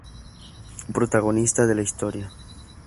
Protagonista de la historia.